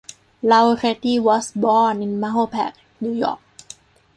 Laoretti was born in Mahopac, New York.